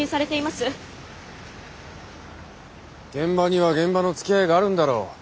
現場には現場のつきあいがあるんだろう。